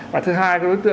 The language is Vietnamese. và thứ hai